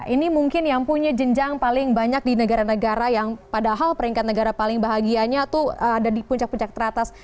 ini mungkin yang punya jenjang paling banyak di negara negara yang padahal peringkat negara paling bahagianya tuh ada di puncak puncak teratas